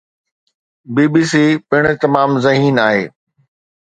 بي B C پڻ تمام ذهين آهي